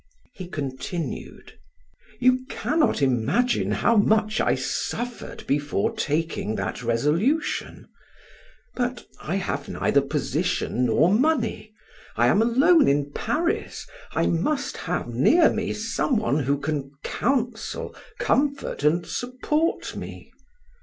He continued: "You cannot imagine how much I suffered before taking that resolution. But I have neither position nor money. I am alone in Paris, I must have near me some one who can counsel, comfort, and support me.